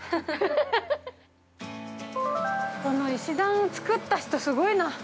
◆この石段を作った人、すごいな。